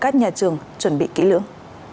các nhà trường chuẩn bị kỹ lưỡng